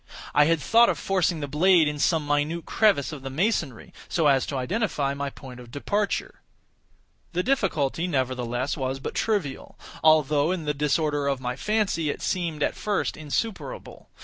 I had thought of forcing the blade in some minute crevice of the masonry, so as to identify my point of departure. The difficulty, nevertheless, was but trivial; although, in the disorder of my fancy, it seemed at first insuperable.